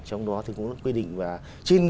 trong đó thì cũng quyết định và trên